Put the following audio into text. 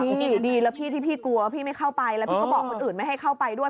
ดีแล้วพี่ที่พี่กลัวว่าพี่ไม่เข้าไปแล้วพี่ก็บอกคนอื่นไม่ให้เข้าไปด้วย